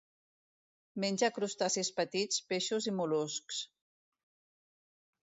Menja crustacis petits, peixos i mol·luscs.